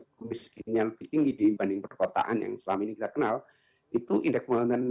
kemiskinan yang lebih tinggi dibanding perkotaan yang selama ini kita kenal itu indeks pembangunan